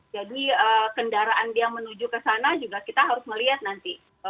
jadi kendaraan dia menuju ke sana juga kita harus melihat nanti